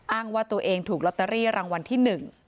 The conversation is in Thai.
อ้างว่าตัวเองถูกลอตเตอรี่รางวัลที่๑